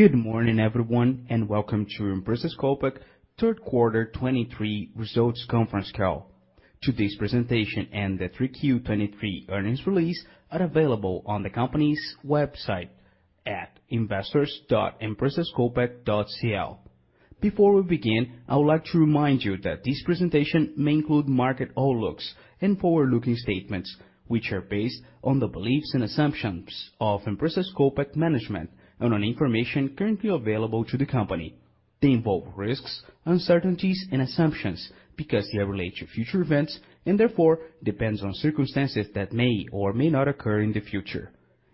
Good morning, everyone, and welcome to Empresas Copec third quarter 2023 results conference call. Today's presentation and the 3Q 2023 earnings release are available on the company's website at investors.empresascopec.cl. Before we begin, I would like to remind you that this presentation may include market outlooks and forward-looking statements, which are based on the beliefs and assumptions of Empresas Copec management and on information currently available to the company. They involve risks, uncertainties, and assumptions because they relate to future events and therefore depends on circumstances that may or may not occur in the future.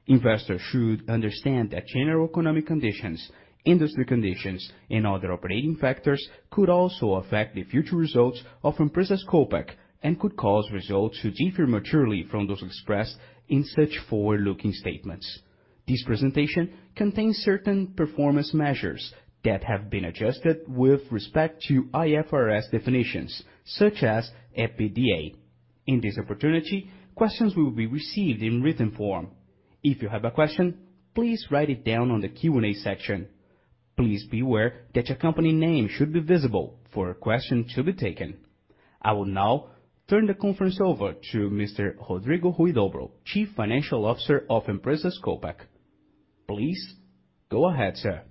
Investors should understand that general economic conditions, industry conditions, and other operating factors could also affect the future results of Empresas Copec, and could cause results to differ materially from those expressed in such forward-looking statements. This presentation contains certain performance measures that have been adjusted with respect to IFRS definitions, such as EBITDA. In this opportunity, questions will be received in written form. If you have a question, please write it down on the Q&A section. Please be aware that your company name should be visible for a question to be taken. I will now turn the conference over to Mr. Rodrigo Huidobro, Chief Financial Officer of Empresas Copec. Please go ahead, sir.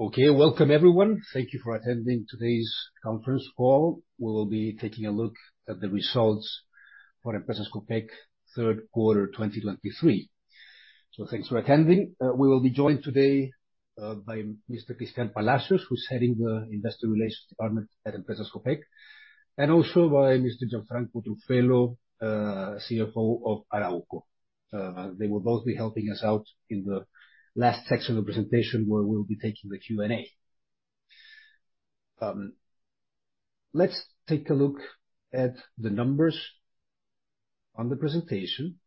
Okay. Welcome, everyone. Thank you for attending today's conference call. We will be taking a look at the results for Empresas Copec third quarter 2023. So thanks for attending. We will be joined today by Mr. Cristián Palacios, who's heading the Investor Relations Department at Empresas Copec, and also by Mr. Gianfranco Truffello, CFO of Arauco. They will both be helping us out in the last section of the presentation, where we'll be taking the Q&A. Let's take a look at the numbers on the presentation.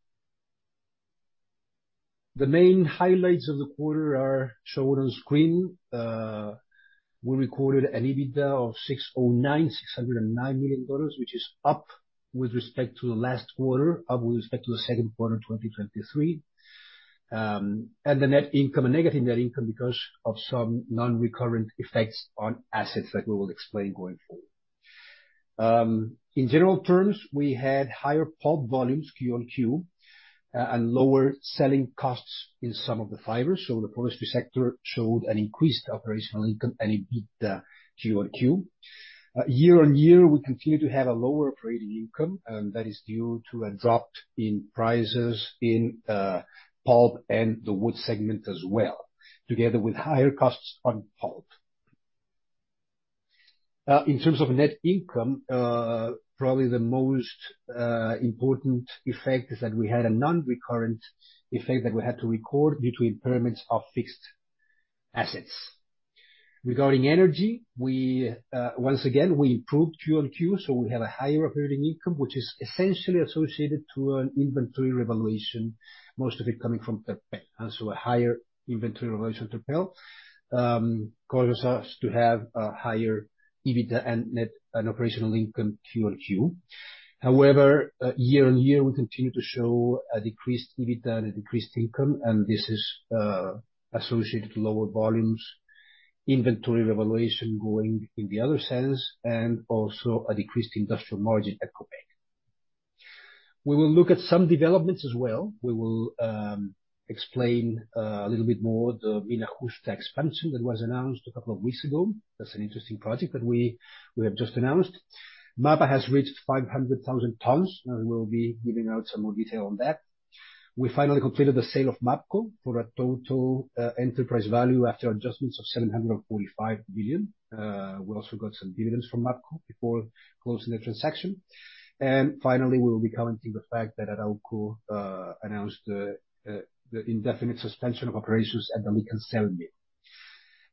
The main highlights of the quarter are shown on screen. We recorded an EBITDA of $609 million, which is up with respect to the last quarter, up with respect to the second quarter, 2023. And the net income, a negative net income because of some non-recurrent effects on assets that we will explain going forward. In general terms, we had higher pulp volumes Q-on-Q, and lower selling costs in some of the fibers. So the forestry sector showed an increased operational income and EBITDA Q-on-Q. Year-on-year, we continue to have a lower operating income, and that is due to a drop in pulp and the wood segment as well, together with higher costs on pulp. In terms of net income, probably the most important effect is that we had a non-recurrent effect that we had to record due to impairments of fixed assets. Regarding energy, we once again we improved Q-on-Q, so we have a higher operating income, which is essentially associated to an inventory revaluation, most of it coming from the pulp. And so a higher inventory revaluation to pulp causes us to have a higher EBITDA and net-- and operational income Q-on-Q. However, year-on-year, we continue to show a decreased EBITDA and a decreased income, and this is associated to lower volumes, inventory revaluation going in the other sense, and also a decreased industrial margin at Copec. We will look at some developments as well. We will explain a little bit more the Mina Justa expansion that was announced a couple of weeks ago. That's an interesting project that we have just announced. MAPA has reached 500,000 tons, and we'll be giving out some more detail on that. We finally completed the sale of Mapco for a total, enterprise value after adjustments of 745 billion. We also got some dividends from Mapco before closing the transaction. Finally, we will be commenting the fact that Arauco announced the indefinite suspension of operations at the Licancel.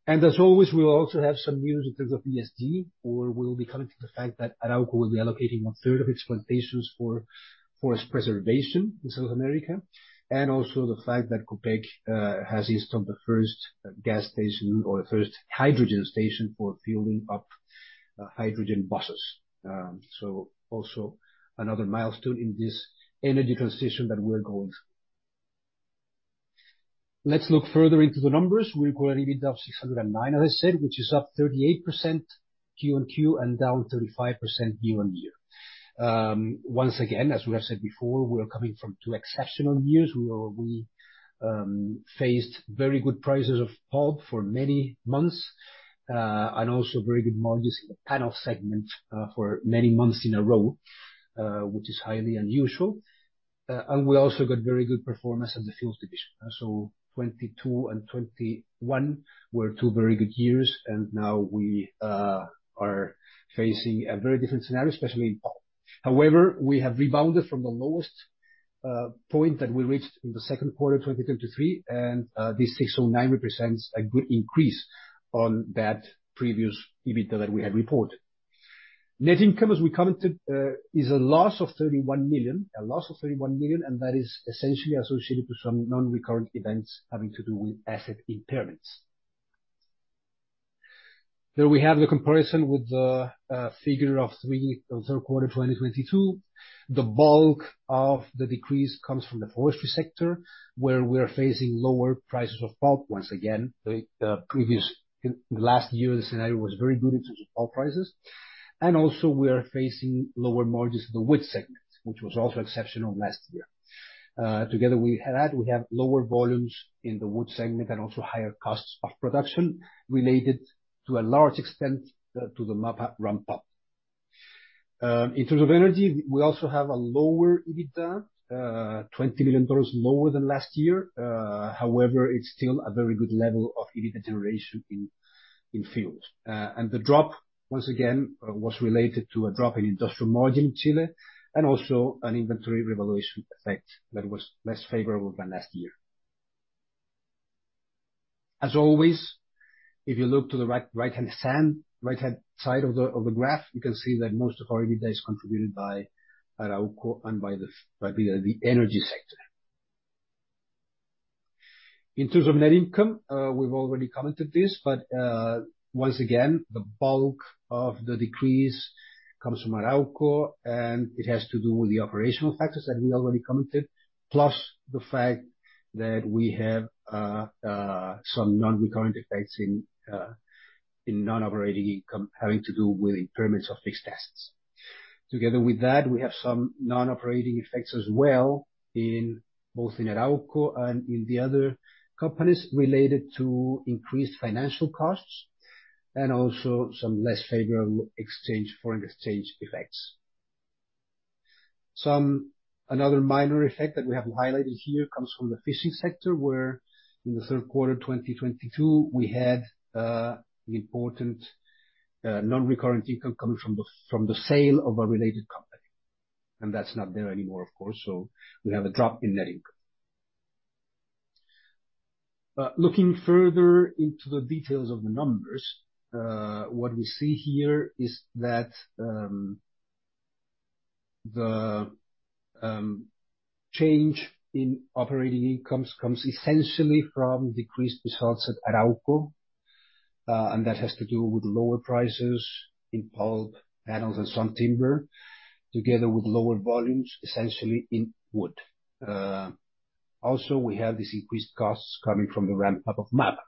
As always, we will also have some news in terms of ESG, where we will be commenting the fact that Arauco will be allocating one-third of its plantations for forest preservation in South America, and also the fact that Copec has installed the first gas station or the first hydrogen station for fueling up hydrogen buses. So also another milestone in this energy transition that we're going through. Let's look further into the numbers. We've got EBITDA of $609 million, as I said, which is up 38% Q-on-Q and down 35% year-on-year. Once again, as we have said before, we are coming from two exceptional years. We faced very good prices of pulp for many months, and also very good margins in the panel segment, for many months in a row, which is highly unusual. And we also got very good performance at the fuels division. So 2022 and 2021 were two very good years, and now we are facing a very different scenario, especially in pulp. However, we have rebounded from the lowest point that we reached in the second quarter of 2023, and this $609 million represents a good increase on that previous EBITDA that we had reported. Net income, as we commented, is a loss of $31 million, a loss of $31 million, and that is essentially associated to some non-recurrent events having to do with asset impairments. Here we have the comparison with the figure of three, the third quarter 2022. The bulk of the decrease comes from the forestry sector, where we are facing lower prices of pulp once again. The previous, in the last year, the scenario was very good in terms of pulp prices, and also we are facing lower margins in wood segment, which was also exceptional last year. Together with that, we have lower volumes in wood segment and also higher costs of production related to a large extent to the MAPA ramp up. In terms of energy, we also have a lower EBITDA, $20 million lower than last year. However, it's still a very good level of EBITDA generation in fuels. And the drop, once again, was related to a drop in industrial margin in Chile, and also an inventory revaluation effect that was less favorable than last year. As always, if you look to the right-hand side of the graph, you can see that most of our EBITDA is contributed by Arauco and by the energy sector. In terms of net income, we've already commented this, but once again, the bulk of the decrease comes from Arauco, and it has to do with the operational factors that we already commented, plus the fact that we have some non-recurrent effects in non-operating income, having to do with impairments of fixed assets. Together with that, we have some non-operating effects as well in both in Arauco and in the other companies related to increased financial costs, and also some less favorable exchange, foreign exchange effects. Another minor effect that we have highlighted here comes from the fishing sector, where in the third quarter, 2022, we had the important non-recurrent income coming from the sale of a related company. And that's not there anymore, of course, so we have a drop in net income. But looking further into the details of the numbers, what we see here is that the change in operating incomes comes essentially from decreased results at Arauco, and that has to do with lower prices in pulp, panels, and some timber, together with lower volumes, essentially in wood. Also, we have these increased costs coming from the ramp up of MAPA.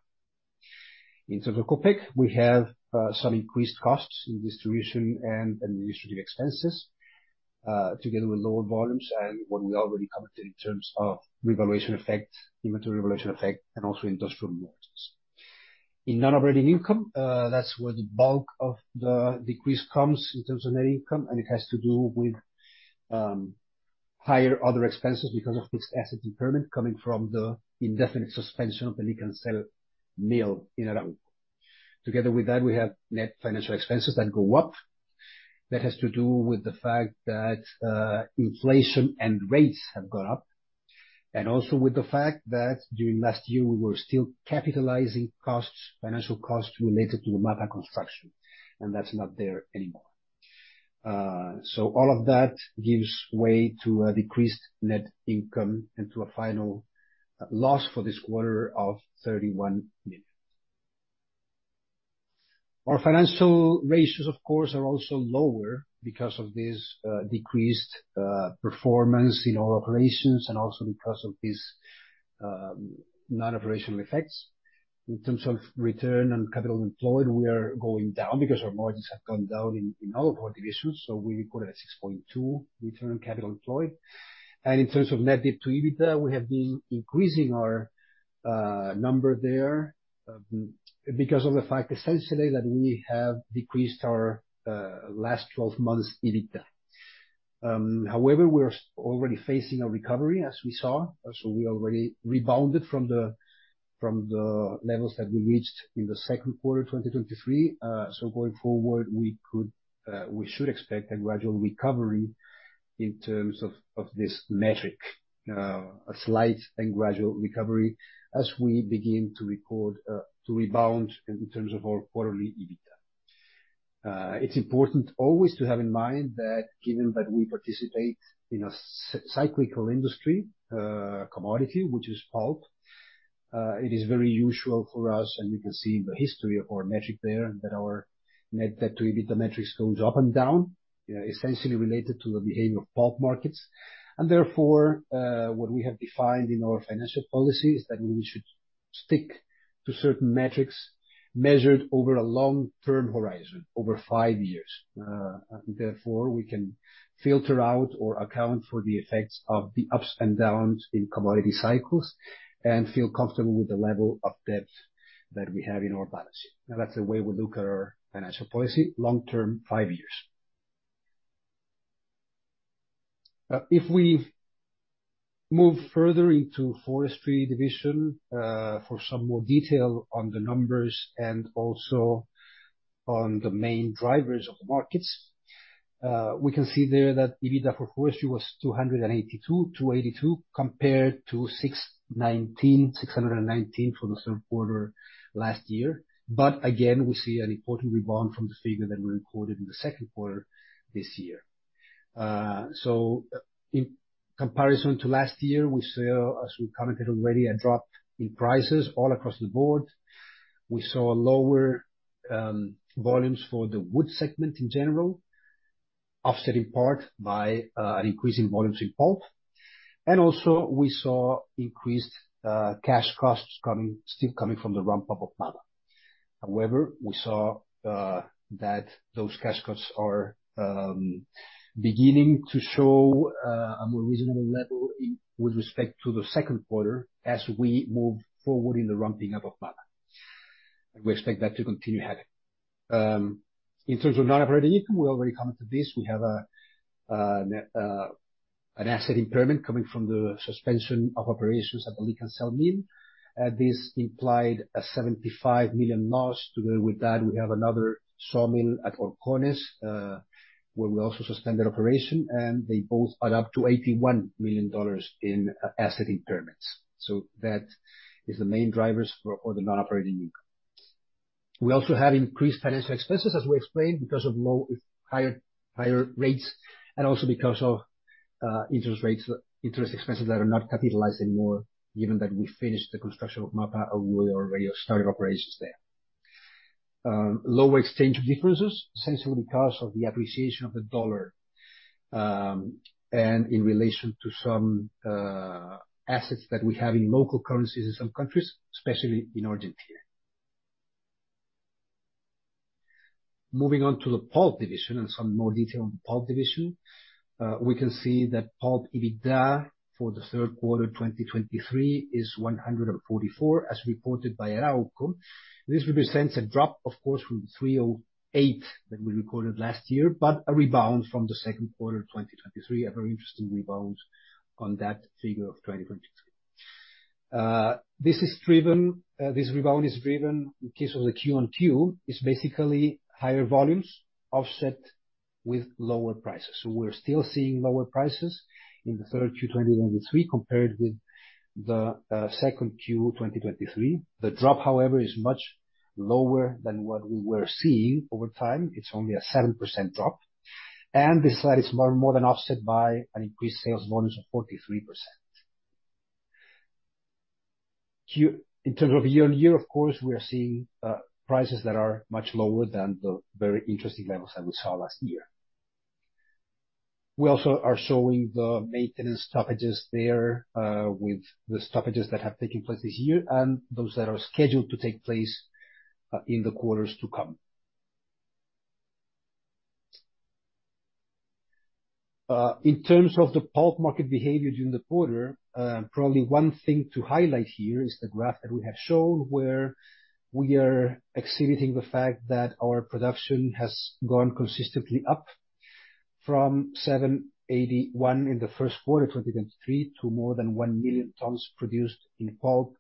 In terms of Copec, we have some increased costs in distribution and administrative expenses, together with lower volumes and what we already commented in terms of revaluation effect, inventory revaluation effect, and also industrial margins. In non-operating income, that's where the bulk of the decrease comes in terms of net income, and it has to do with higher other expenses because of fixed asset impairment coming from the indefinite suspension of the Licancel mill in Arauco. Together with that, we have net financial expenses that go up. That has to do with the fact that inflation and rates have gone up, and also with the fact that during last year we were still capitalizing costs, financial costs related to the MAPA construction, and that's not there anymore. So all of that gives way to a decreased net income and to a final, loss for this quarter of $31 million. Our financial ratios, of course, are also lower because of this, decreased, performance in all operations and also because of this, non-operational effects. In terms of return on capital employed, we are going down because our margins have gone down in all our divisions, so we record a 6.2 return on capital employed. In terms of net debt to EBITDA, we have been increasing our number there, because of the fact, essentially, that we have decreased our last twelve months EBITDA. However, we're already facing a recovery, as we saw, so we already rebounded from the levels that we reached in the second quarter, 2023. So going forward, we could, we should expect a gradual recovery in terms of, of this metric, a slight and gradual recovery as we begin to record, to rebound in terms of our quarterly EBITDA. It's important always to have in mind that given that we participate in a cyclical industry, commodity, which is pulp, it is very usual for us, and you can see in the history of our metric there, that our net debt to EBITDA metrics goes up and down, essentially related to the behavior of pulp markets. And therefore, what we have defined in our financial policy is that we should stick to certain metrics measured over a long-term horizon, over five years. And therefore, we can filter out or account for the effects of the ups and downs in commodity cycles, and feel comfortable with the level of debt that we have in our balance sheet. Now, that's the way we look at our financial policy, long term, five years. If we move further into forestry division, for some more detail on the numbers and also on the main drivers of the markets, we can see there that EBITDA for forestry was $282-, $282 million, compared to $619-, $619 million for the third quarter last year. But again, we see an important rebound from the figure that we recorded in the second quarter this year. So in comparison to last year, we saw, as we commented already, a drop in prices all across the board. We saw lower volumes for wood segment in general, offset in part by an increase in volumes in pulp. And also, we saw increased cash costs coming, still coming from the ramp-up of MAPA. However, we saw that those cash costs are beginning to show a more reasonable level in, with respect to the second quarter as we move forward in the ramping up of MAPA. And we expect that to continue happening. In terms of non-operating income, we already commented to this. We have an asset impairment coming from the suspension of operations at the Licancel mill. This implied a $75 million loss. Together with that, we have another saw mill at Horcones, where we also suspended operation, and they both add up to $81 million in asset impairments. That is the main drivers for the non-operating income. We also had increased financial expenses, as we explained, because of higher rates, and also because of interest rates, interest expenses that are not capitalized anymore, given that we finished the construction of MAPA, and we already have started operations there. Lower exchange differences, essentially because of the appreciation of the dollar, and in relation to some assets that we have in local currencies in some countries, especially in Argentina. Moving on to the pulp division and some more detail on the pulp division. We can see that pulp EBITDA for the third quarter 2023 is $144 million, as reported by Arauco. This represents a drop, of course, from $308 million that we recorded last year, but a rebound from the second quarter 2023. A very interesting rebound on that figure of 2023. This rebound is driven, in case of the Q-on-Q, by higher volumes offset with lower prices. So we're still seeing lower prices in the third Q 2023, compared with the second Q 2023. The drop, however, is much lower than what we were seeing over time. It's only a 7% drop, and this slide is more than offset by an increased sales volume of 43%. Q- In terms of year-on-year, of course, we are seeing prices that are much lower than the very interesting levels that we saw last year. We also are showing the maintenance stoppages there, with the stoppages that have taken place this year and those that are scheduled to take place in the quarters to come. In terms of the pulp market behavior during the quarter, probably one thing to highlight here is the graph that we have shown, where we are exhibiting the fact that our production has gone consistently up from 781 in the first quarter, 2023, to more than 1 million tons produced in pulp,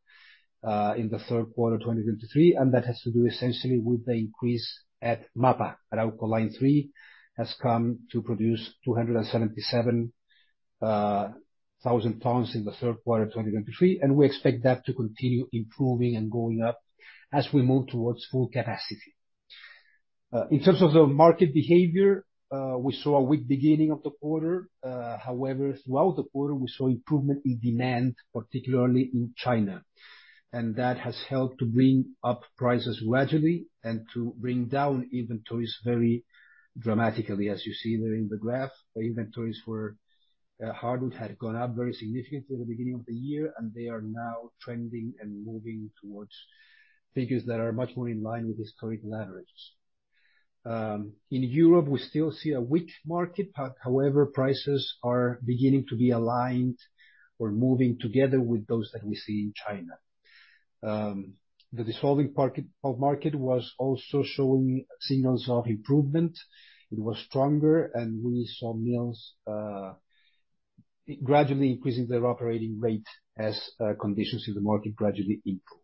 in the third quarter, 2023. And that has to do essentially with the increase at MAPA. Arauco Line 3 has come to produce 277,000 tons in the third quarter of 2023, and we expect that to continue improving and going up as we move towards full capacity. In terms of the market behavior, we saw a weak beginning of the quarter. However, throughout the quarter, we saw improvement in demand, particularly in China, and that has helped to bring up prices gradually and to bring down inventories very dramatically. As you see there in the graph, the inventories for hardwood had gone up very significantly at the beginning of the year, and they are now trending and moving towards figures that are much more in line with historic levels. In Europe, we still see a weak market, but however, prices are beginning to be aligned or moving together with those that we see in China. The dissolving market, pulp market was also showing signals of improvement. It was stronger, and we saw mills gradually increasing their operating rate as conditions in the market gradually improved.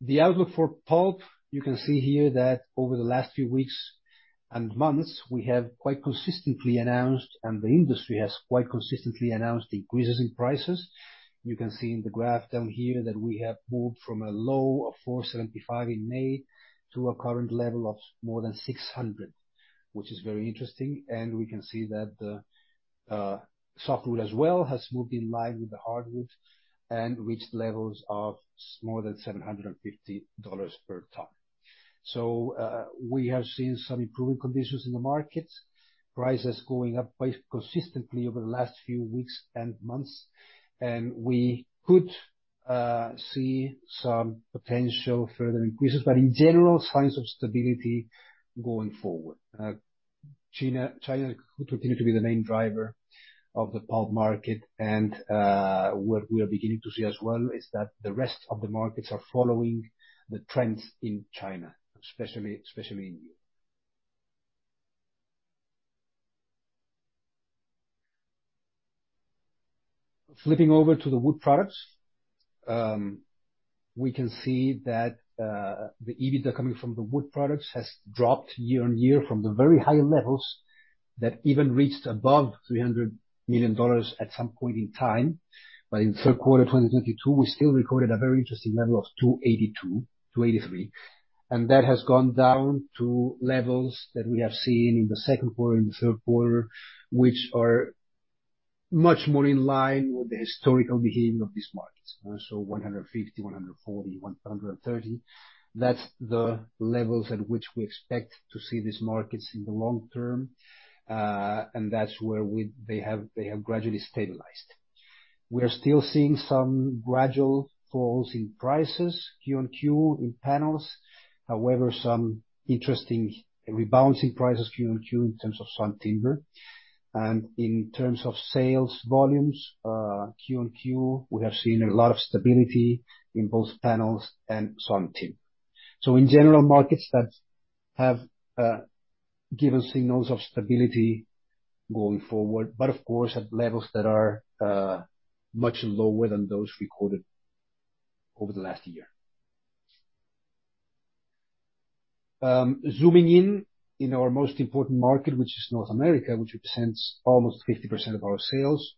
The outlook for pulp, you can see here that over the last few weeks and months, we have quite consistently announced, and the industry has quite consistently announced, increases in prices. You can see in the graph down here that we have moved from a low of 475 in May to a current level of more than 600, which is very interesting. We can see that the softwood as well has moved in line with the hardwood and reached levels of more than $750 per ton. So, we have seen some improving conditions in the market, prices going up quite consistently over the last few weeks and months, and we could see some potential further increases, but in general, signs of stability going forward. China could continue to be the main driver of the pulp market, and what we are beginning to see as well is that the rest of the markets are following the trends in China, especially in Europe. Flipping over to the wood products, we can see that the EBITDA coming from the wood products has dropped year-on-year from the very high levels that even reached above $300 million at some point in time. But in the third quarter of 2022, we still recorded a very interesting level of $282 million, $283 million, and that has gone down to levels that we have seen in the second quarter and the third quarter, which are much more in line with the historical behavior of these markets. So 150, 140, 130, that's the levels at which we expect to see these markets in the long term, and that's where they have, they have gradually stabilized. We are still seeing some gradual falls in prices, Q-on-Q, in panels. However, some interesting rebalancing prices, Q-on-Q, in terms of sawn timber. And in terms of sales volumes, Q-on-Q, we have seen a lot of stability in both panels and sawn timber. So in general, markets that have given signals of stability going forward, but of course, at levels that are much lower than those recorded over the last year. Zooming in, in our most important market, which is North America, which represents almost 50% of our sales,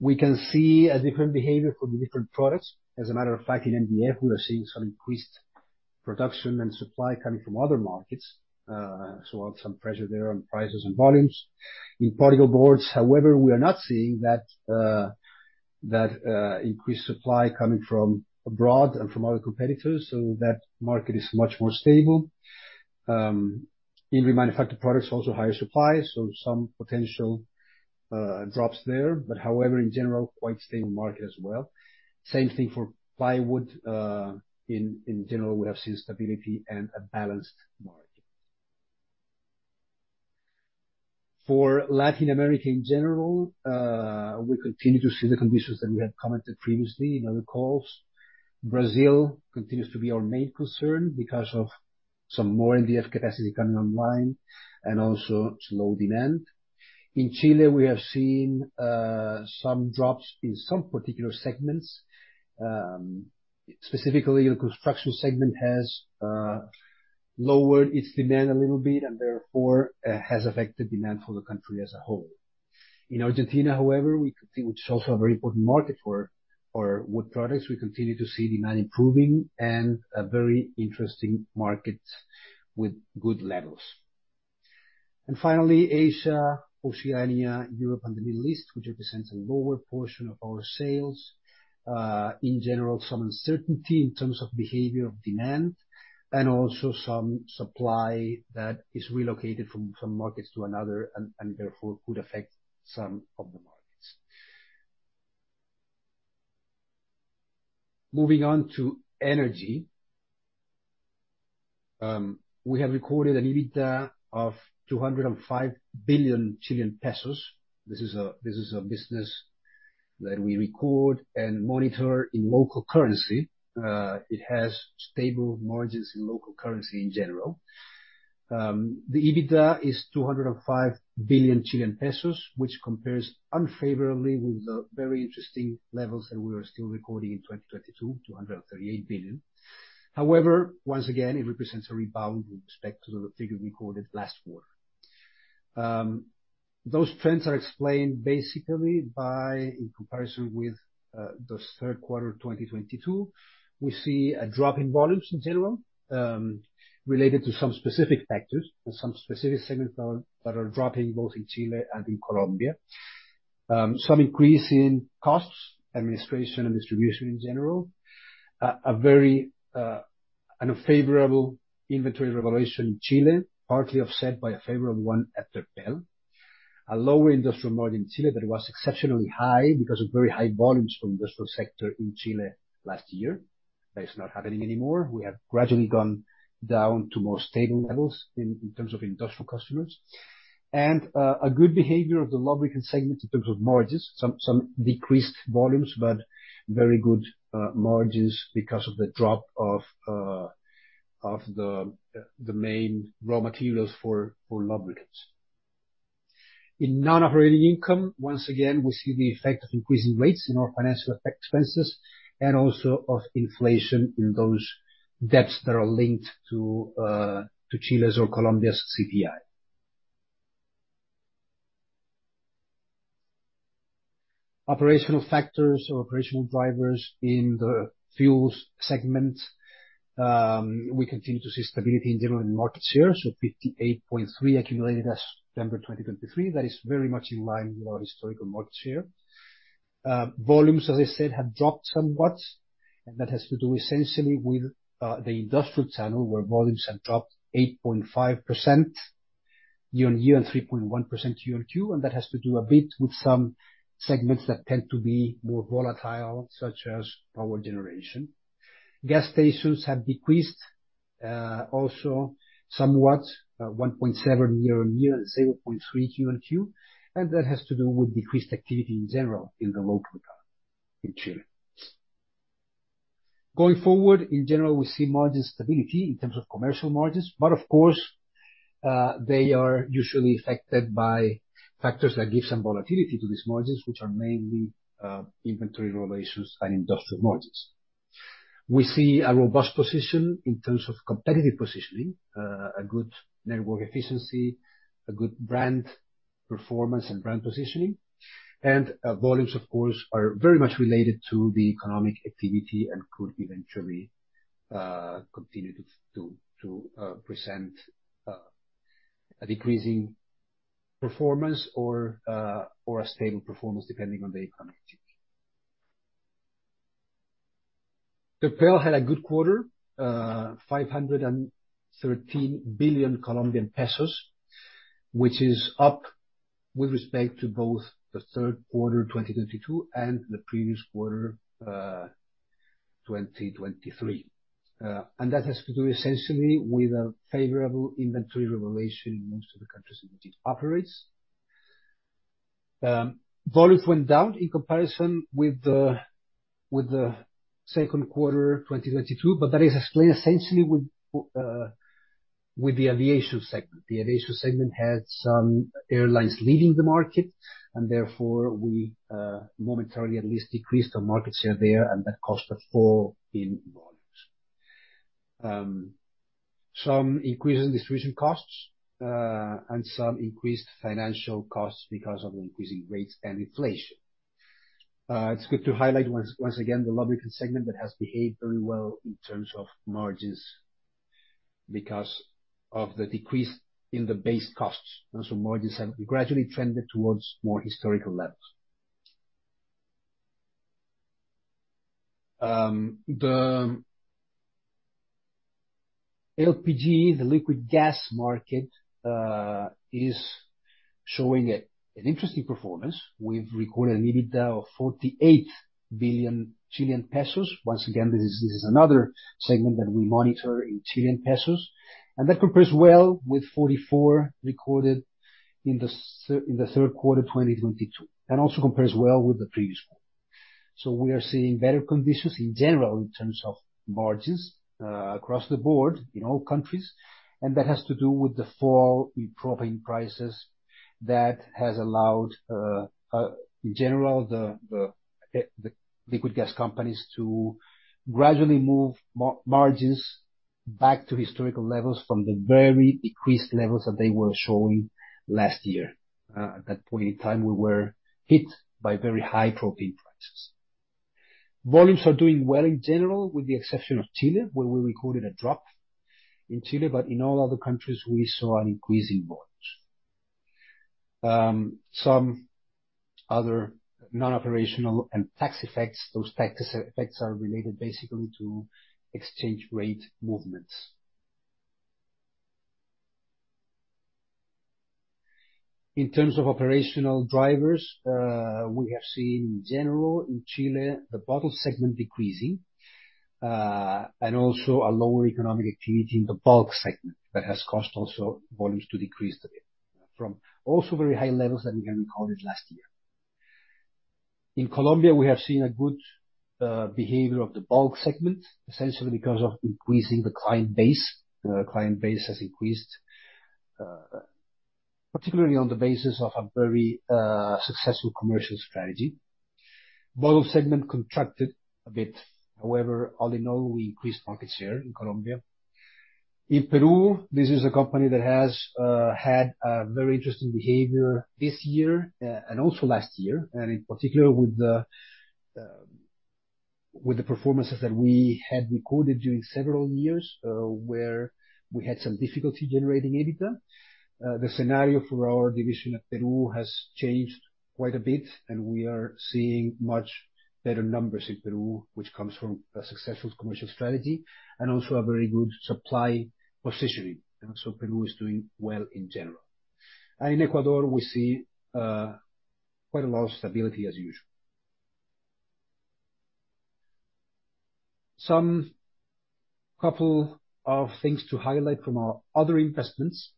we can see a different behavior for the different products. As a matter of fact, in MDF, we are seeing some increased production and supply coming from other markets, so some pressure there on prices and volumes. In particle boards, however, we are not seeing that increased supply coming from abroad and from our competitors, so that market is much more stable. In remanufactured products, also higher supply, so some potential drops there, but however, in general, quite stable market as well. Same thing for plywood, in general, we have seen stability and a balanced market. For Latin America, in general, we continue to see the conditions that we had commented previously in other calls. Brazil continues to be our main concern because of some more MDF capacity coming online and also slow demand. In Chile, we have seen some drops in some particular segments. Specifically, the construction segment has lowered its demand a little bit, and therefore, has affected demand for the country as a whole. In Argentina, however, we could see, which is also a very important market for wood products, we continue to see demand improving and a very interesting market with good levels. Finally, Asia, Oceania, Europe, and the Middle East, which represents a lower portion of our sales. In general, some uncertainty in terms of behavior of demand, and also some supply that is relocated from markets to another, and therefore, could affect some of the markets. Moving on to energy. We have recorded an EBITDA of 205 billion Chilean pesos. This is a business that we record and monitor in local currency. It has stable margins in local currency in general. The EBITDA is 205 billion Chilean pesos, which compares unfavorably with the very interesting levels that we are still recording in 2022, 238 billion. However, once again, it represents a rebound with respect to the figure recorded last quarter. Those trends are explained basically by, in comparison with the third quarter of 2022, we see a drop in volumes in general, related to some specific factors and some specific segments that are dropping both in Chile and in Colombia. Some increase in costs, administration, and distribution in general. A very unfavorable inventory valuation in Chile, partly offset by a favorable one at Terpel. A lower industrial margin in Chile, that was exceptionally high because of very high volumes from industrial sector in Chile last year. That is not happening anymore. We have gradually gone down to more stable levels in terms of industrial customers. A good behavior of the lubricants segment in terms of margins, some decreased volumes, but very good margins because of the drop of the main raw materials for lubricants. In non-operating income, once again, we see the effect of increasing rates in our financial expenses and also of inflation in those debts that are linked to Chile's or Colombia's CPI. Operational factors or operational drivers in the fuels segment, we continue to see stability in general in market share, so 58.3 accumulated as December 2023. That is very much in line with our historical market share. Volumes, as I said, have dropped somewhat, and that has to do essentially with the industrial channel, where volumes have dropped 8.5% year-on-year and 3.1% Q-on-Q, and that has to do a bit with some segments that tend to be more volatile, such as power generation. Gas stations have decreased also somewhat 1.7% year-on-year and 0.3% Q-on-Q, and that has to do with decreased activity in general in the local economy in Chile. Going forward, in general, we see margin stability in terms of commercial margins, but of course, they are usually affected by factors that give some volatility to these margins, which are mainly inventory relations and industrial margins. We see a robust position in terms of competitive positioning, a good network efficiency, a good brand performance and brand positioning. Volumes, of course, are very much related to the economic activity and could eventually continue to present a decreasing performance or a stable performance, depending on the economic change. Terpel had a good quarter, COP 513 billion, which is up with respect to both the third quarter 2022 and the previous quarter 2023. And that has to do essentially with a favorable inventory revaluation in most of the countries in which it operates. Volumes went down in comparison with the second quarter 2022, but that is explained essentially with the aviation segment. The aviation segment had some airlines leaving the market, and therefore we, momentarily at least, decreased our market share there, and that cost a fall in volumes. Some increase in distribution costs, and some increased financial costs because of increasing rates and inflation. It's good to highlight once, once again, the lubricant segment that has behaved very well in terms of margins, because of the decrease in the base costs, and so margins have gradually trended towards more historical levels. The LPG, the liquid gas market, is showing an interesting performance. We've recorded an EBITDA of 48 billion Chilean pesos. Once again, this is, this is another segment that we monitor in Chilean pesos, and that compares well with 44 recorded in the third quarter, 2022, and also compares well with the previous quarter. So we are seeing better conditions in general, in terms of margins, across the board in all countries, and that has to do with the fall in propane prices that has allowed, in general, the liquid gas companies to gradually move margins back to historical levels from the very decreased levels that they were showing last year. At that point in time, we were hit by very high propane prices. Volumes are doing well in general, with the exception of Chile, where we recorded a drop in Chile, but in all other countries we saw an increase in volumes. Some other non-operational and tax effects, those tax effects are related basically to exchange rate movements. In terms of operational drivers, we have seen in general, in Chile, the bottle segment decreasing, and also a lower economic activity in the bulk segment, that has caused also volumes to decrease a bit from also very high levels that we had recorded last year. In Colombia, we have seen a good behavior of the bulk segment, essentially because of increasing the client base. Client base has increased, particularly on the basis of a very successful commercial strategy. Bottle segment contracted a bit. However, all in all, we increased market share in Colombia. In Peru, this is a company that has had a very interesting behavior this year, and also last year, and in particular with the performances that we had recorded during several years, where we had some difficulty generating EBITDA. The scenario for our division at Peru has changed quite a bit, and we are seeing much better numbers in Peru, which comes from a successful commercial strategy and also a very good supply positioning. So Peru is doing well in general. In Ecuador, we see quite a lot of stability, as usual. Some couple of things to highlight from our other investments.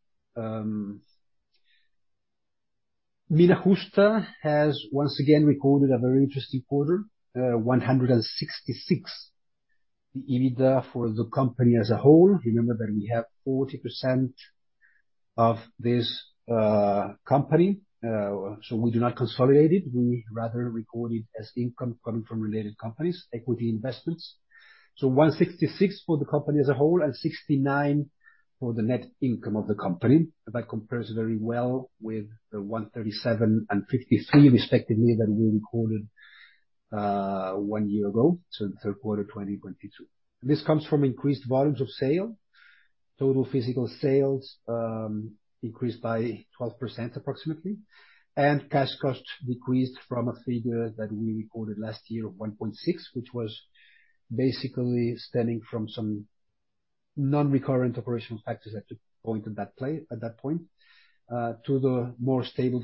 Mina Justa has once again recorded a very interesting quarter, $166 million, the EBITDA for the company as a whole. Remember that we have 40% of this company, so we do not consolidate it. We rather record it as income coming from related companies, equity investments. So $166 million for the company as whole, and $69 million for the net income of the company. That compares very well with the $137 million and $53 million, respectively, that we recorded one year ago, so the third quarter, 2022. This comes from increased volumes of sale. Total physical sales increased by 12%, approximately, and cash costs decreased from a figure that we recorded last year of $1.6, which was basically stemming from some non-recurring operational factors that took place at that point to the more stable,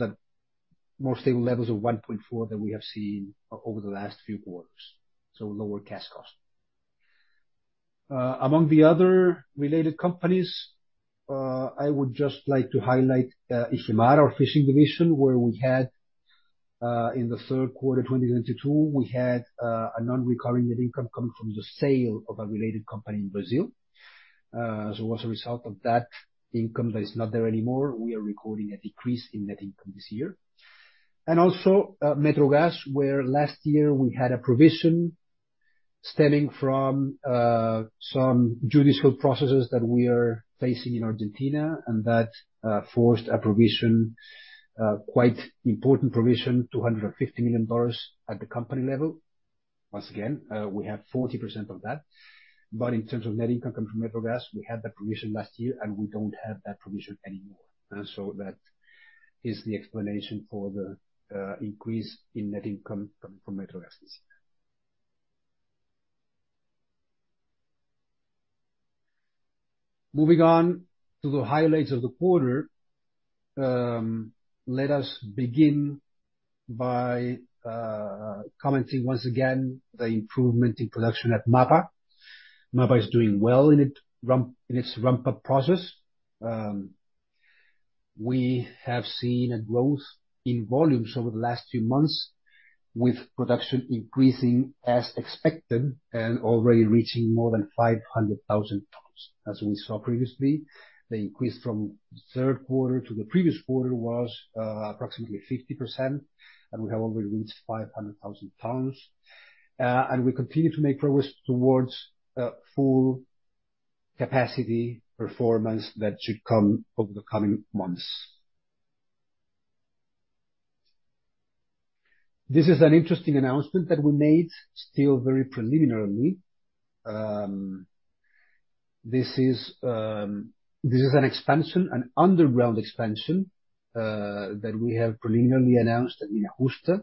more stable levels of $1.4 that we have seen over the last few quarters, so lower cash cost. Among the other related companies, I would just like to highlight Igemar, our fishing division, where we had in the third quarter, 2022, we had a non-recurring net income coming from the sale of a related company in Brazil. So as a result of that income that is not there anymore, we are recording a decrease in net income this year. And also, Metrogas, where last year we had a provision stemming from some judicial processes that we are facing in Argentina, and that forced a provision, quite important provision, $250 million at the company level. Once again, we have 40% of that. But in terms of net income from Metrogas, we had that provision last year, and we don't have that provision anymore. So that is the explanation for the increase in net income coming from Metrogas this year. Moving on to the highlights of the quarter, let us begin by commenting once again, the improvement in production at MAPA. MAPA is doing well in its ramp-up process. We have seen a growth in volumes over the last few months, with production increasing as expected and already reaching more than 500,000 tons. As we saw previously, the increase from third quarter to the previous quarter was approximately 50%, and we have already reached 500,000 tons. And we continue to make progress towards a full capacity performance that should come over the coming months. This is an interesting announcement that we made, still very preliminarily. This is an expansion, an underground expansion that we have preliminarily announced in Mina Justa.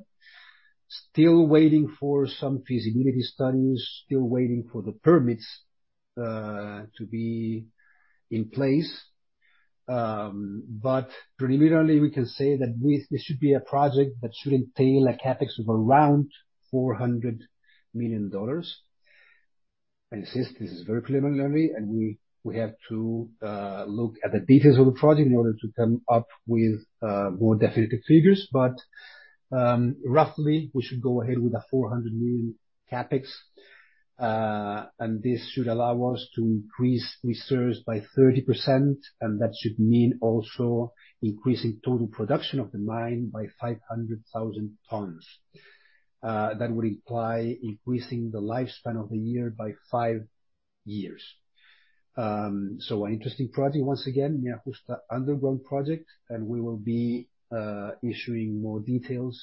Still waiting for some feasibility studies, still waiting for the permits to be in place. But preliminarily, we can say that this should be a project that should entail a CapEx of around $400 million. Since this is very preliminary, and we have to look at the details of the project in order to come up with more definitive figures. But roughly, we should go ahead with the $400 million CapEx, and this should allow us to increase reserves by 30%, and that should mean also increasing total production of the mine by 500,000 tons. That would imply increasing the lifespan of the year by five years. So an interesting project, once again, the Mina Justa underground project, and we will be issuing more details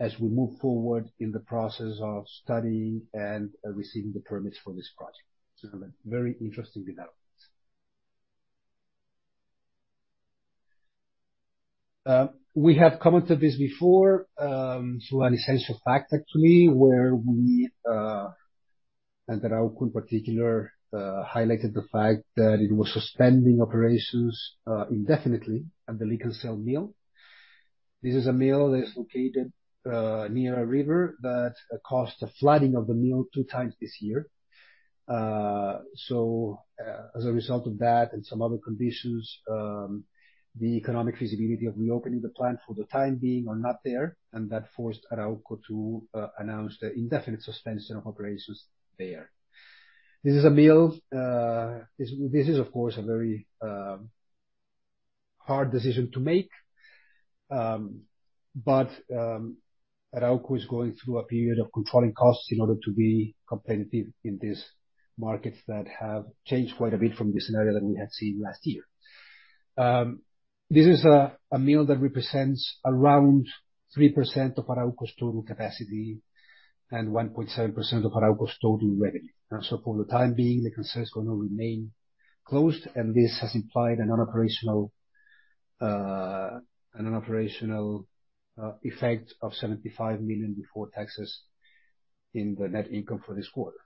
as we move forward in the process of studying and receiving the permits for this project. So a very interesting development. We have commented this before, to an essential fact, actually, where we, and Arauco in particular, highlighted the fact that it was suspending operations, indefinitely at the Licancel mill. This is a mill that is located, near a river that caused the flooding of the mill two times this year. So, as a result of that and some other conditions, the economic feasibility of reopening the plant for the time being are not there, and that forced Arauco to, announce the indefinite suspension of operations there. This is a mill, this, this is, of course, a very, hard decision to make. But, Arauco is going through a period of controlling costs in order to be competitive in these markets that have changed quite a bit from the scenario that we had seen last year. This is a mill that represents around 3% of Arauco's total capacity and 1.7% of Arauco's total revenue. So for the time being, the mill is going to remain closed, and this has implied a non-operational effect of $75 million before taxes in the net income for this quarter.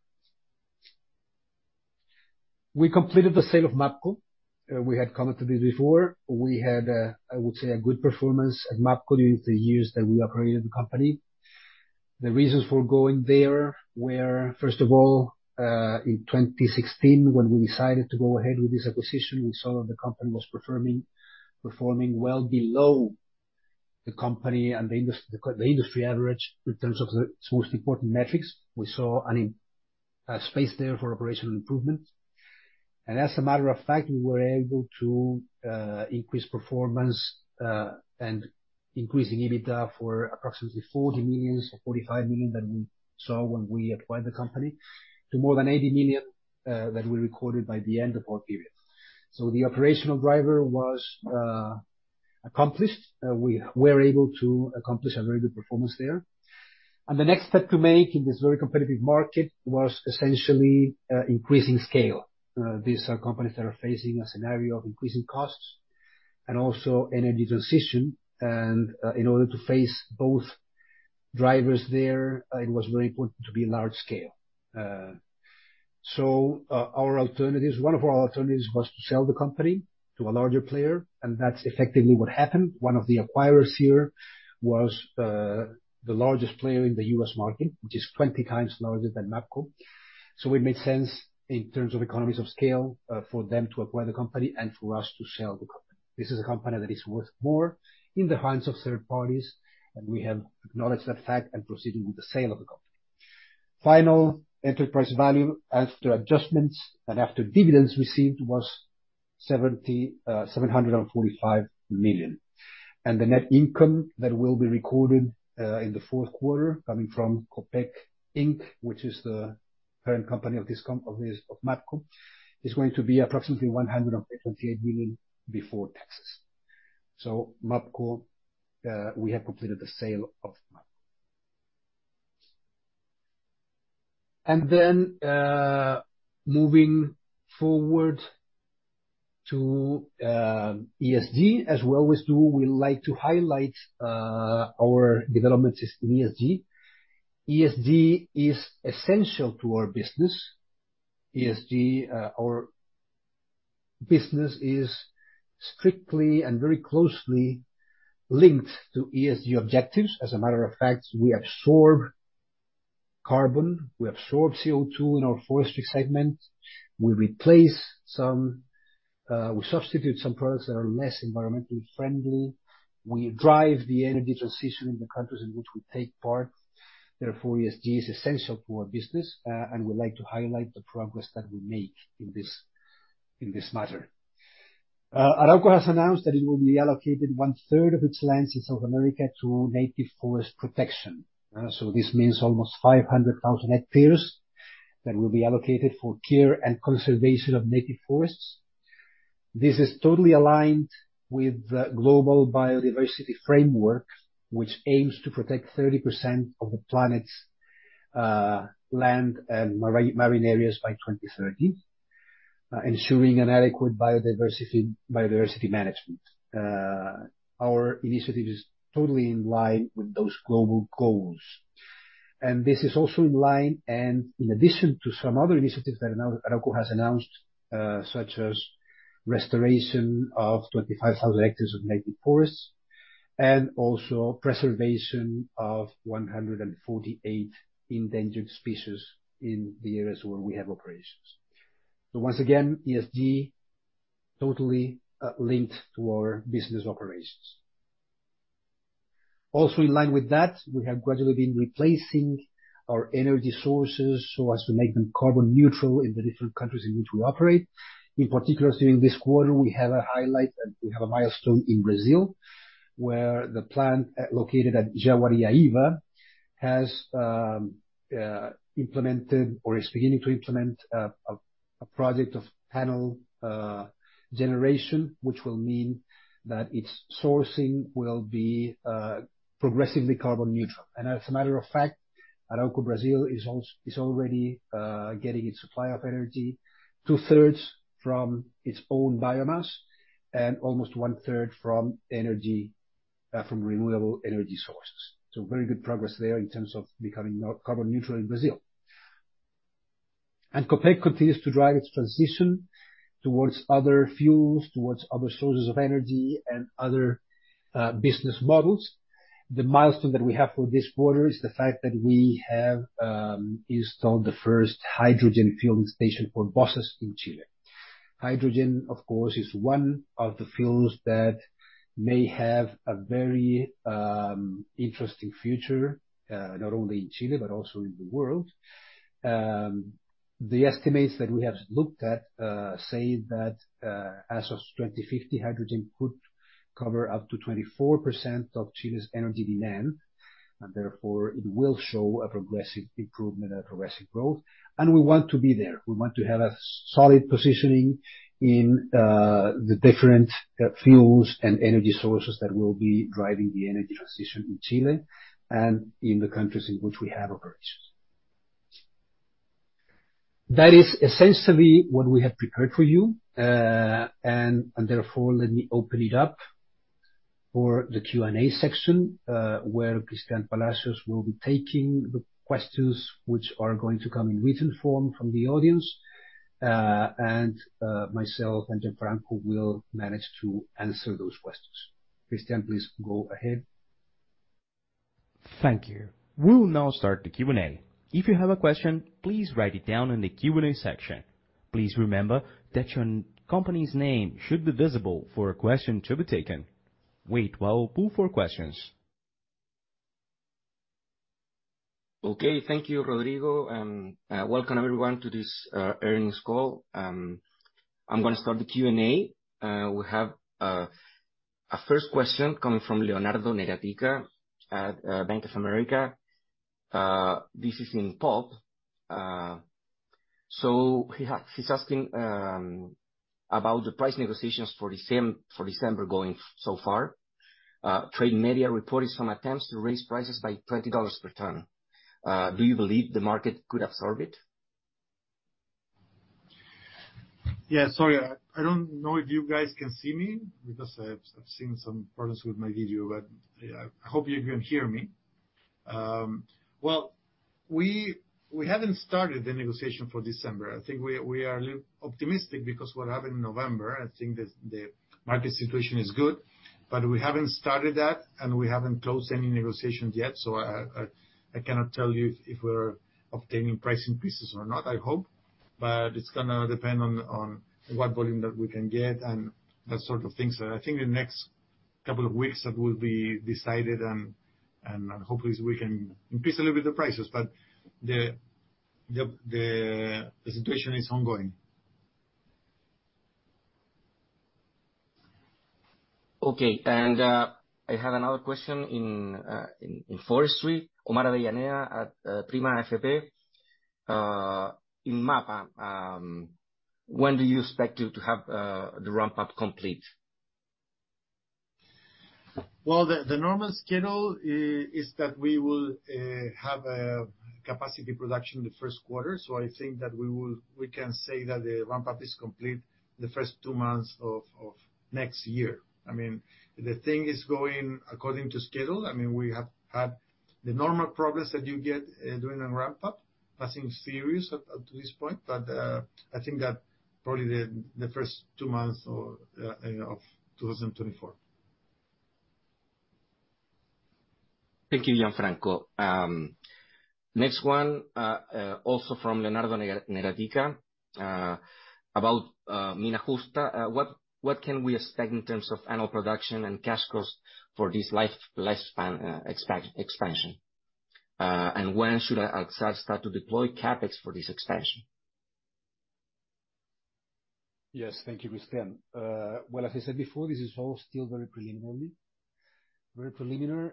We completed the sale of Mapco. We had commented this before. We had, I would say, a good performance at Mapco during the years that we operated the company. The reasons for going there were, first of all, in 2016, when we decided to go ahead with this acquisition, we saw that the company was performing well below the company and the industry average in terms of its most important metrics. We saw a space there for operational improvement. And as a matter of fact, we were able to increase performance and increase in EBITDA for approximately $40 million or $45 million that we saw when we acquired the company, to more than $80 million that we recorded by the end of our period. So the operational driver was accomplished. We were able to accomplish a very good performance there. And the next step to make in this very competitive market was essentially increasing scale. These are companies that are facing a scenario of increasing costs and also energy transition, and in order to face both drivers there, it was very important to be large scale. So our alternatives—one of our alternatives was to sell the company to a larger player, and that's effectively what happened. One of the acquirers here was the largest player in the U.S. market, which is 20 times larger than Mapco. So it made sense in terms of economies of scale for them to acquire the company and for us to sell the company. This is a company that is worth more in the hands of third parties, and we have acknowledged that fact and proceeding with the sale of the company. Final enterprise value, after adjustments and after dividends received, was $775 million. The net income that will be recorded in the fourth quarter, coming from Copec Inc, which is the parent company of Mapco, is going to be approximately $128 million before taxes. So Mapco, we have completed the sale of Mapco. Moving forward to ESG, as we always do, we like to highlight our developments in ESG. ESG is essential to our business. ESG, our business is strictly and very closely linked to ESG objectives. As a matter of fact, we absorb carbon, we absorb CO2 in our forestry segment. We replace some, we substitute some products that are less environmentally friendly. We drive the energy transition in the countries in which we take part. Therefore, ESG is essential to our business, and we like to highlight the progress that we make in this, in this matter. Arauco has announced that it will be allocated one third of its land in South America to native forest protection. This means almost 500,000 hectares that will be allocated for care and conservation of native forests. This is totally aligned with the Global Biodiversity Framework, which aims to protect 30% of the planet's land and marine areas by 2030, ensuring an adequate biodiversity management. Our initiative is totally in line with those global goals, and this is also in line, and in addition to some other initiatives that Arauco has announced, such as restoration of 25,000 hectares of native forests, and also preservation of 148 endangered species in the areas where we have operations. So once again, ESG totally linked to our business operations. Also, in line with that, we have gradually been replacing our energy sources so as to make them carbon neutral in the different countries in which we operate. In particular, during this quarter, we have a highlight and we have a milestone in Brazil, where the plant located at Jaguariaíva has implemented or is beginning to implement a project of panel generation, which will mean that its sourcing will be progressively carbon neutral. And as a matter of fact, Arauco Brazil is already getting its supply of energy, two-thirds from its own biomass and almost one-third from energy from renewable energy sources. So very good progress there in terms of becoming carbon neutral in Brazil. And Copec continues to drive its transition towards other fuels, towards other sources of energy and other business models. The milestone that we have for this quarter is the fact that we have installed the first hydrogen filling station for buses in Chile. Hydrogen, of course, is one of the fuels that may have a very, interesting future, not only in Chile, but also in the world. The estimates that we have looked at say that, as of 2050, hydrogen could cover up to 24% of Chile's energy demand, and therefore it will show a progressive improvement and a progressive growth. We want to be there. We want to have a solid positioning in the different fuels and energy sources that will be driving the energy transition in Chile and in the countries in which we have operations. That is essentially what we have prepared for you. Therefore, let me open it up for the Q&A section, where Cristián Palacios will be taking the questions which are going to come in written form from the audience. Myself and Gianfranco will manage to answer those questions. Cristián, please go ahead. Thank you. We'll now start the Q&A. If you have a question, please write it down in the Q&A section. Please remember that your company's name should be visible for a question to be taken. Wait while we pull for questions. Okay, thank you, Rodrigo, and welcome everyone to this earnings call. I'm gonna start the Q&A. We have a first question coming from Leonardo Neratika at Bank of America. This is in pulp. So he's asking about the price negotiations for December going so far. Trade media report is from attempts to raise prices by $20 per ton. Do you believe the market could absorb it? Yeah, sorry, I don't know if you guys can see me because I've seen some problems with my video, but I hope you can hear me. Well, we haven't started the negotiation for December. I think we are a little optimistic because what happened in November, I think the market situation is good, but we haven't started that, and we haven't closed any negotiations yet. So I cannot tell you if we're obtaining price increases or not. I hope, but it's gonna depend on what volume that we can get and that sort of things. So I think the next couple of weeks, that will be decided, and hopefully we can increase a little bit the prices. But the situation is ongoing. Okay, and, I have another question in forestry. Omar Avellaneda at Prima AFP. In MAPA, when do you expect to have the ramp up complete? Well, the normal schedule is that we will have a capacity production in the first quarter. So I think that we can say that the ramp up is complete the first two months of next year. I mean, the thing is going according to schedule. I mean, we have had the normal progress that you get during a ramp up. Nothing serious up to this point, but I think that probably the first two months or you know of 2024. Thank you, Gianfranco. Next one, also from Leonardo Neratika, about Mina Justa. What can we expect in terms of annual production and cash costs for this life, lifespan, expansion? And when should Alxar start to deploy CapEx for this expansion? Yes. Thank you, Cristián. Well, as I said before, this is all still very preliminary. Very preliminary.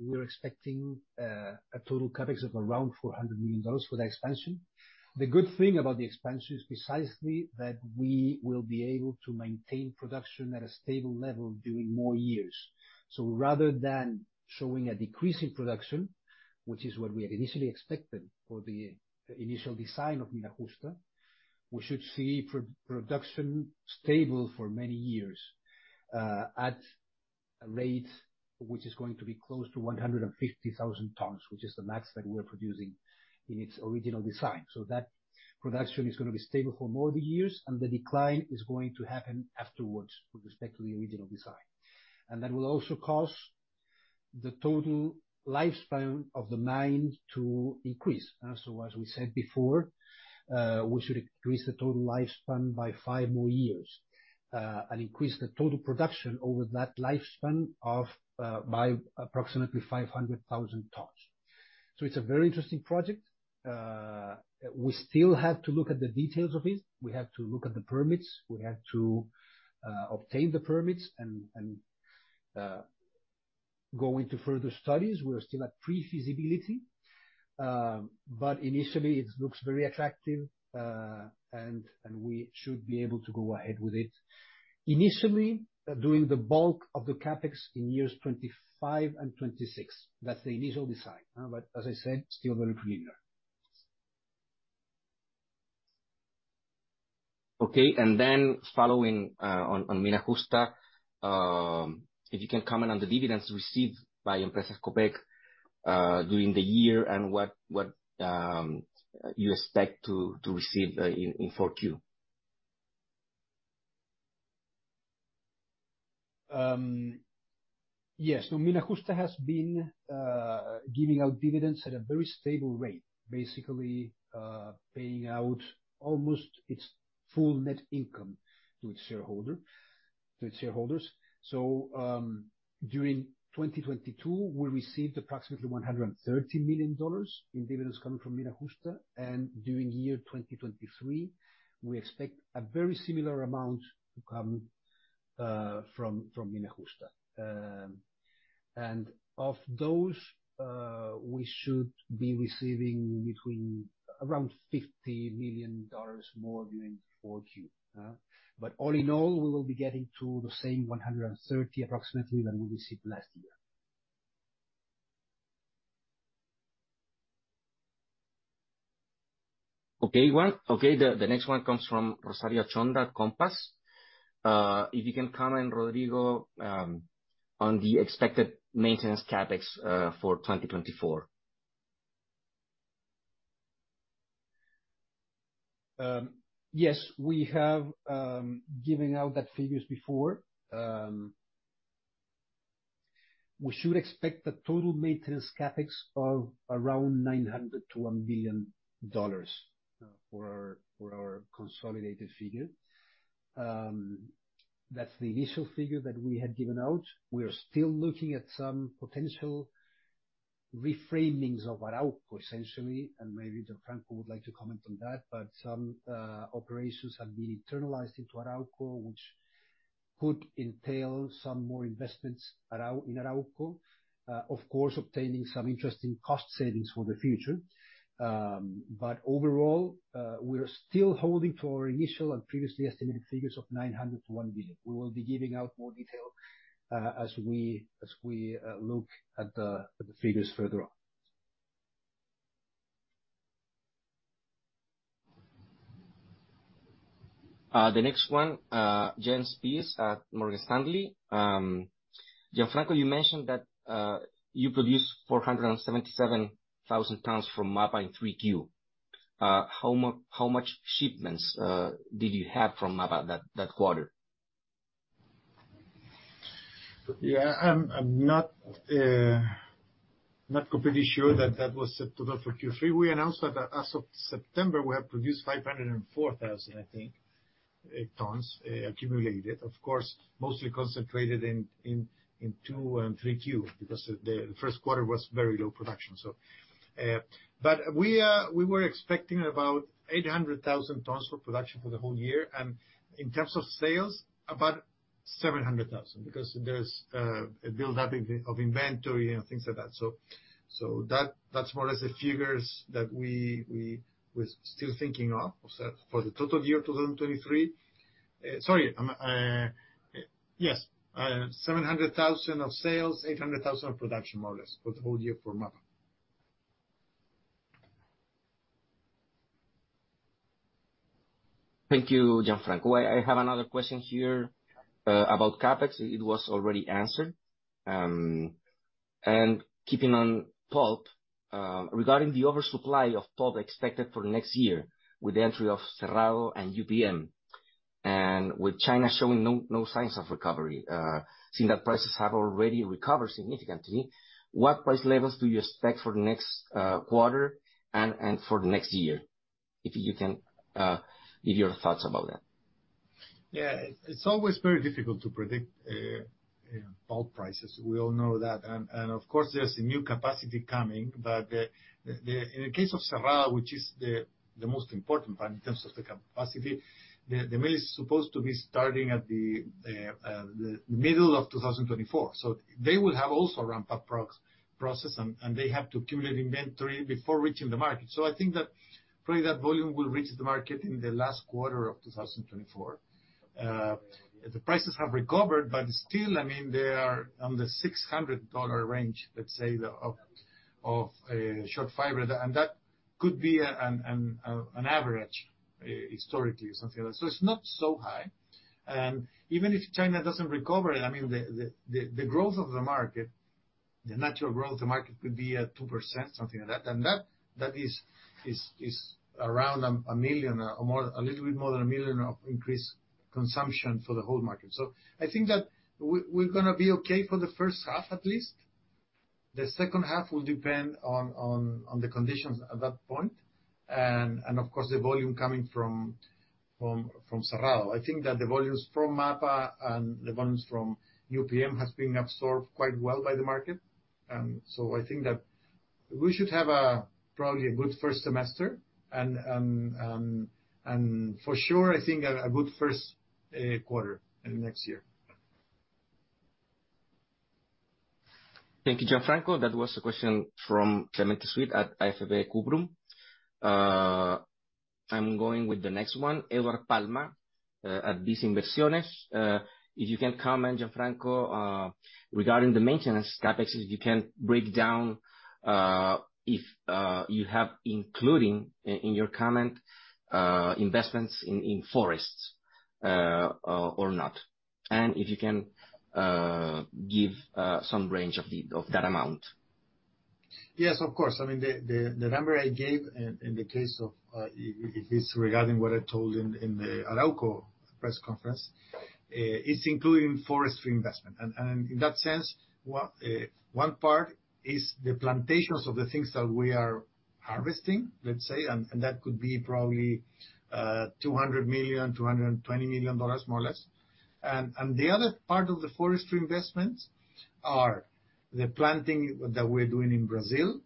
We're expecting a total CapEx of around $400 million for the expansion. The good thing about the expansion is precisely that we will be able to maintain production at a stable level during more years. So rather than showing a decrease in production, which is what we had initially expected for the initial design of Mina Justa, we should see production stable for many years at a rate which is going to be close to 150,000 tons, which is the max that we're producing in its original design. So that production is gonna be stable for more years, and the decline is going to happen afterwards with respect to the original design. That will also cause the total lifespan of the mine to increase. So as we said before, we should increase the total lifespan by five more years, and increase the total production over that lifespan by approximately 500,000 tons. So it's a very interesting project. We still have to look at the details of it. We have to look at the permits, we have to obtain the permits, and go into further studies. We're still at pre-feasibility, but initially it looks very attractive, and we should be able to go ahead with it. Initially, doing the bulk of the CapEx in years 2025 and 2026. That's the initial design, but as I said, still very preliminary. Okay, and then following on Mina Justa, if you can comment on the dividends received by Empresas Copec during the year, and what you expect to receive in 4Q? Yes. So Mina Justa has been giving out dividends at a very stable rate. Basically, paying out almost its full net income to its shareholder, to its shareholders. So, during 2022, we received approximately $130 million in dividends coming from Mina Justa, and during 2023, we expect a very similar amount to come from Mina Justa. And of those, we should be receiving between around $50 million more during 4Q. But all in all, we will be getting to the same $130 million, approximately, that we received last year. Okay, one. Okay, the next one comes from Rosario Achondo at Compass. If you can comment, Rodrigo, on the expected maintenance CapEx for 2024. Yes, we have given out those figures before. We should expect the total maintenance CapEx of around $900 million-$1 billion for our consolidated figure. That's the initial figure that we had given out. We are still looking at some potential reframings of Arauco, essentially, and maybe Gianfranco would like to comment on that. But some operations have been internalized into Arauco, which could entail some more investments around in Arauco. Of course, obtaining some interesting cost savings for the future. But overall, we're still holding to our initial and previously estimated figures of $900 million-$1 billion. We will be giving out more detail as we look at the figures further on. The next one, Jens Spiess at Morgan Stanley. Gianfranco, you mentioned that you produced 477,000 tons from MAPA in 3Q. How much shipments did you have from MAPA that quarter? Yeah, I'm not completely sure that that was set total for Q3. We announced that as of September, we have produced 504,000, I think, tons accumulated. Of course, mostly concentrated in 2Q and 3Q, because the first quarter was very low production. So, but we were expecting about 800,000 tons for production for the whole year. And in terms of sales, about-... 700,000, because there's a build-up of inventory and things like that. So that's more or less the figures that we're still thinking of for the total year 2023. Sorry, yes, 700,000 of sales, 800,000 of production, more or less, for the whole year for MAPA. Thank you, Gianfranco. I have another question here about CapEx. It was already answered. Keeping on pulp, regarding the oversupply of pulp expected for next year with the entry of Cerrado and UPM, and with China showing no signs of recovery, seeing that prices have already recovered significantly, what price levels do you expect for the next quarter, and for the next year? If you can give your thoughts about that. Yeah. It's always very difficult to predict pulp prices. We all know that. And of course, there's a new capacity coming, but the... In the case of Cerrado, which is the most important one in terms of the capacity, the mill is supposed to be starting at the middle of 2024. So they will have also a ramp-up process, and they have to accumulate inventory before reaching the market. So I think that probably that volume will reach the market in the last quarter of 2024. The prices have recovered, but still, I mean, they are on the $600 range, let's say, of short fiber. And that could be an average, historically, something like that. So it's not so high. And even if China doesn't recover, I mean, the growth of the market, the natural growth of the market could be at 2%, something like that. And that is around a million, or more, a little bit more than a million of increased consumption for the whole market. So I think that we're gonna be okay for the first half, at least. The second half will depend on the conditions at that point, and of course, the volume coming from Cerrado. I think that the volumes from MAPA and the volumes from UPM has been absorbed quite well by the market. So I think that we should have a probably a good first semester, and for sure, I think a good first quarter in the next year. Thank you, Gianfranco. That was a question from Clemente Swett at AFP Cuprum. I'm going with the next one, Edward Palma at Bice Inversiones. If you can comment, Gianfranco, regarding the maintenance CapEx, if you can break down if you have, including in your comment, investments in forests or not, and if you can give some range of that amount. Yes, of course. I mean, the number I gave in the case of if it's regarding what I told in the Arauco press conference, it's including forestry investment. And in that sense, one part is the plantations of the things that we are harvesting, let's say, and that could be probably $200 million-$220 million, more or less. And the other part of the forestry investments are the planting that we're doing in Brazil,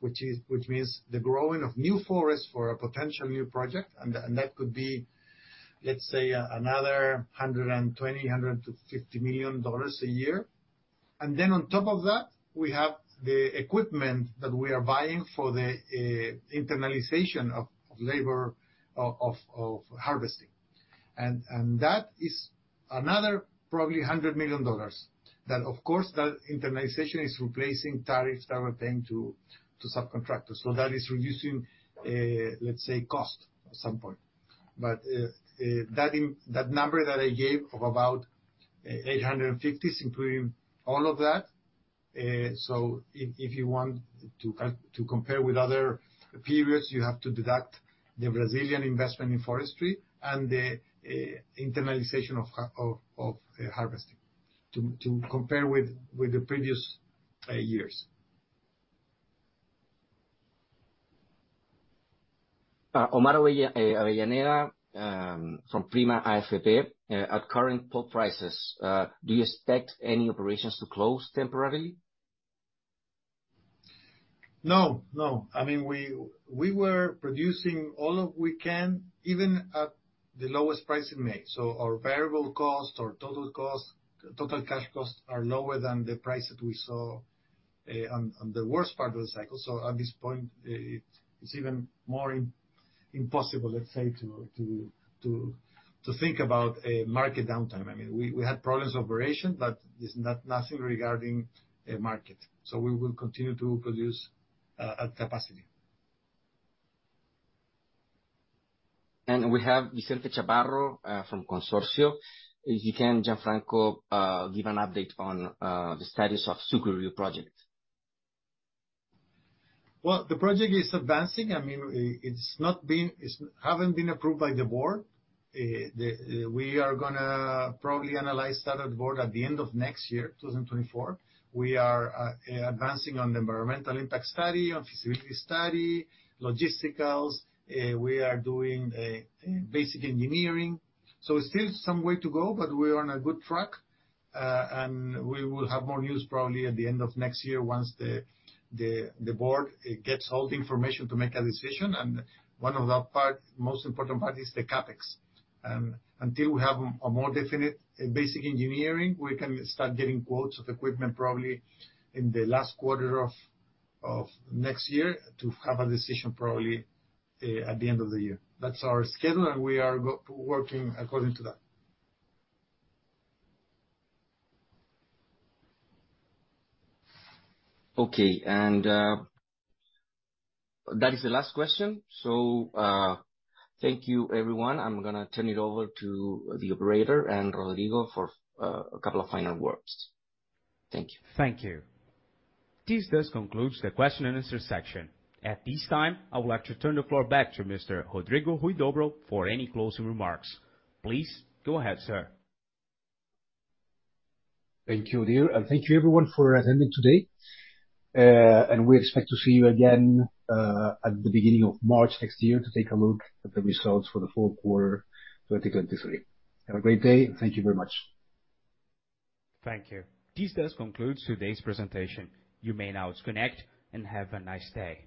which is—which means the growing of new forests for a potential new project, and that could be, let's say, another $120 million-$150 million a year. And then on top of that, we have the equipment that we are buying for the internalization of labor of harvesting. That is another probably $100 million. That, of course, that internalization is replacing tariffs that were paying to subcontractors. So that is reducing, let's say, cost at some point. But, that number that I gave of about 850 is including all of that. So if you want to compare with other periods, you have to deduct the Brazilian investment in forestry and the internalization of harvesting to compare with the previous years. Omar Avellaneda, from Prima AFP, at current pulp prices, do you expect any operations to close temporarily? No, no. I mean, we were producing all we can, even at the lowest price in May. So our variable cost, our total cost, total cash costs are lower than the price that we saw on the worst part of the cycle. So at this point, it's even more impossible, let's say, to think about a market downtime. I mean, we had problems with operation, but there's nothing regarding the market. So we will continue to produce at capacity. We have Vicente Navarro from Consorcio. If you can, Gianfranco, give an update on the status of Sucuriú project. Well, the project is advancing. I mean, it hasn't been approved by the board. We are gonna probably analyze that at the board at the end of next year, 2024. We are advancing on the environmental impact study, on feasibility study, logisticals. We are doing basic engineering. So still some way to go, but we're on a good track. And we will have more news probably at the end of next year, once the board gets all the information to make a decision. And one of the part, most important part, is the CapEx. Until we have a more definite basic engineering, we can start getting quotes of equipment, probably in the last quarter of next year, to have a decision probably at the end of the year. That's our schedule, and we are working according to that. Okay, and that is the last question. So, thank you, everyone. I'm gonna turn it over to the operator and Rodrigo for a couple of final words. Thank you. Thank you. This does conclude the question-and-answer section. At this time, I would like to turn the floor back to Mr. Rodrigo Huidobro for any closing remarks. Please go ahead, sir. Thank you, Odile, and thank you everyone for attending today. We expect to see you again at the beginning of March next year to take a look at the results for the fourth quarter 2023. Have a great day, and thank you very much. Thank you. This does conclude today's presentation. You may now disconnect and have a nice day.